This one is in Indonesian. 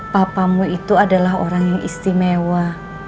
papamu itu adalah orang yang istimewa